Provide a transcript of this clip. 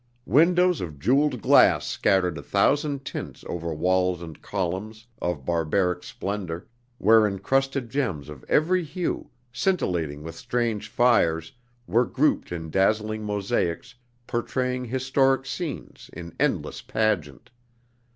Windows of jeweled glass scattered a thousand tints over walls and columns of barbaric splendor, where encrusted gems of every hue, scintillating with strange fires, were grouped in dazzling mosaics portraying historic scenes in endless pageant.